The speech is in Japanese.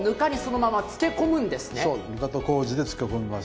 ぬかと麹で漬け込みます。